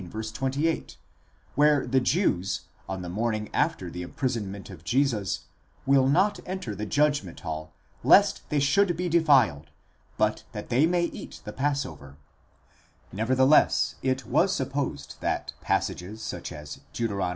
28, where the Jews, on the morning after the imprisonment of Jesus, will not enter the judgment hall lest they should be defiled, but that they may eat the passover, ἀλλ᾽ iva φάγωσι τὸ πάσχα. Nevertheless it was supposed that pas sages such as Deut.